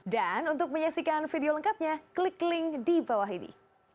dan untuk menyaksikan video lengkapnya klik link di bawah ini